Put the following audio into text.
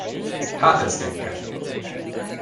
Hát ez gyenge.